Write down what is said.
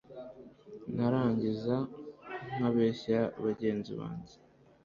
narangiza nkabeshyera bagenzi bange